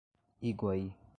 Iguaí